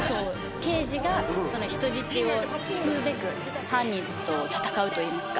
刑事が人質を救うべく犯人と戦うといいますか。